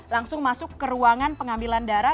langsung masuk ke ruangan pengambilan darah